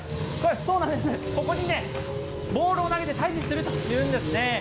そうなんです、ここにね、ボールを投げて退治するというんですね。